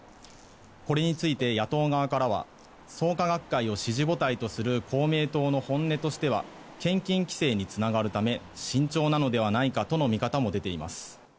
これについて野党側からは創価学会を支持母体とする公明党の本音としては献金規制につながるため慎重なのではないかとの見方も出ています。